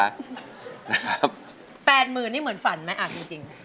๘๐๐๐๐บาทนี่เหมือนฝันไหมอาจรู้จริง